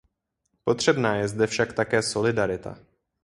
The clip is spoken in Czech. Potřebná je zde však také solidarita.